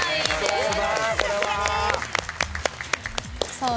さあ